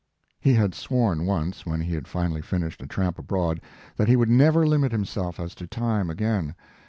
He had sworn once, when he had finally finished 'A Tramp Abroad', that he would never limit himself as to time again.